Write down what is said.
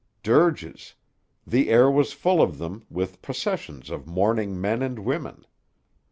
Dirges! The air was full of them, with processions of mourning men and women.